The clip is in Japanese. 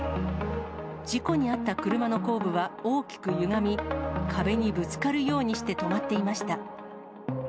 事故に遭った車の後部は大きくゆがみ、壁にぶつかるようにして止まっていました。